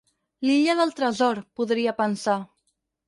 L'illa del tresor, podria pensar.